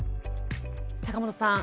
坂本さん